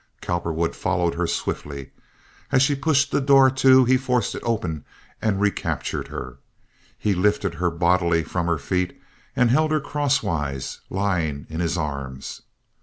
Cowperwood followed her swiftly. As she pushed the door to he forced it open and recaptured her. He lifted her bodily from her feet and held her crosswise, lying in his arms.